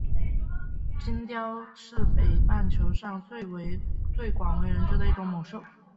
金雕是北半球上一种广为人知的猛禽。